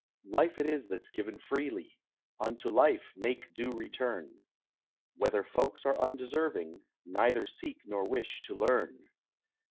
Life it is that's given freely. Unto life make due return. Whether folks are undeserving, neither seek nor wish to learn.